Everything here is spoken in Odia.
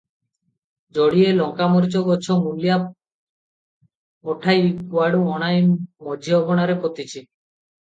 ଯୋଡିଏ ଲଙ୍କାମରିଚ ଗଛ ମୂଲିଆ ପଠାଇ କୁଆଡ଼ୁ ଅଣାଇ ମଝି ଅଗଣାରେ ପୋତିଛି ।